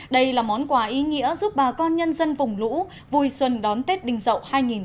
đây là món quà ý nghĩa giúp bà con nhân dân vùng lũ vui xuân đón tết đình dậu hai nghìn hai mươi